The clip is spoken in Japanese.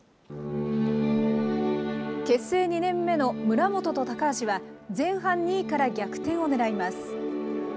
結成２年目の村元と高橋は、前半２位から逆転をねらいます。